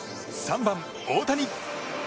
３番、大谷。